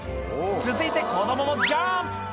続いて子供もジャンプ！